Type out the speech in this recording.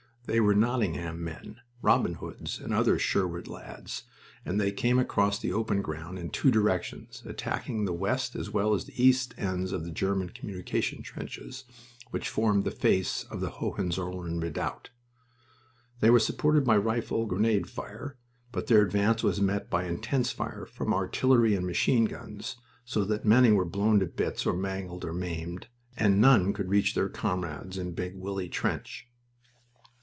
They were Nottingham men Robin Hoods and other Sherwood lads and they came across the open ground in two directions, attacking the west as well as the east ends of the German communication trenches which formed the face of the Hohenzollern redoubt. They were supported by rifle grenade fire, but their advance was met by intense fire from artillery and machine guns, so that many were blown to bits or mangled or maimed, and none could reach their comrades in Big Willie trench.